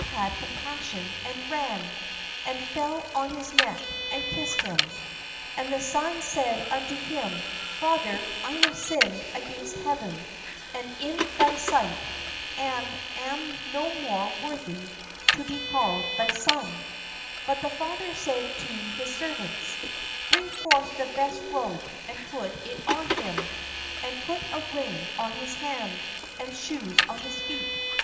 had compassion, and ran, and fell on his neck, and kissed him. And the son said unto him: "Father, I have against Heaven, and in thy sight, and am no more worthy to be called thy But the father said to his servants : "Bring forth the best robe, and put it on him; and put a ring on his hand, and shoes on his feet.